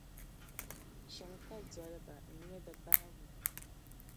Shini ka doli ba n-nya di bahigu.